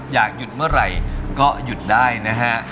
อยากหยุดเมื่อไหร่ก็หยุดได้นะฮะ